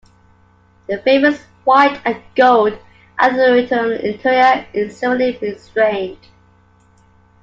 The famous white and gold auditorium interior is similarly restrained.